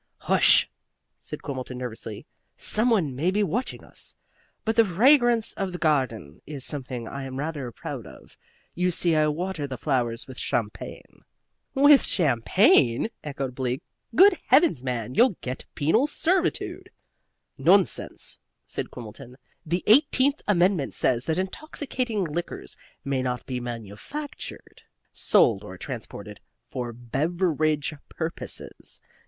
"Hush!" said Quimbleton, nervously. "Some one may be watching us. But the fragrance of the garden is something I am rather proud of. You see, I water the flowers with champagne." "With champagne!" echoed Bleak. "Good heavens, man, you'll get penal servitude." "Nonsense!" said Quimbleton. "The Eighteenth Amendment says that intoxicating liquors may not be manufactured, sold or transported FOR BEVERAGE PURPOSES.